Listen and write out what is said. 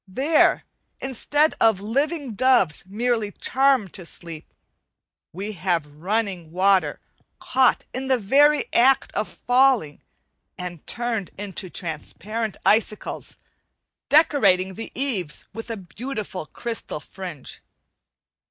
There, instead of living doves merely charmed to sleep, we have running water caught in the very act of falling and turned into transparent icicles, decorating the eaves with a beautiful crystal fringe.